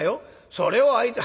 それをあいつら」。